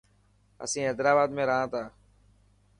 اسين حيدرآباد ۾ رهان ٿا.